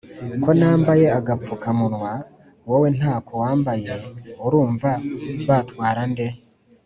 Ko nambaye agapfuka munwa wowe ntako wambaye urumva batwarande?